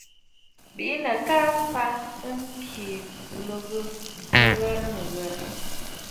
Bìʼinə̀ ka fàʼà, ɨ kɨ lɔ̀gə̀ nɨghərə nɨghərə.